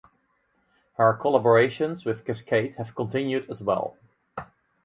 Her collaborations with Kaskade have continued as well.